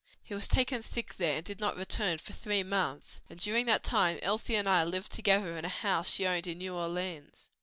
He was taken sick there and did not return for three months, and during that time Elsie and I lived together in a house she owned in New Orleans.